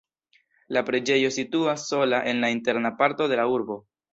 La preĝejo situas sola en la interna parto de la urbo.